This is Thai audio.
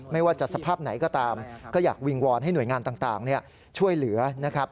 ไม่ว่าจะสภาพไหนก็ตามก็อยากวิงวอนให้หน่วยงานต่างช่วยเหลือนะครับ